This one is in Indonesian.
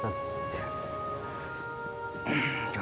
bukan pak bostad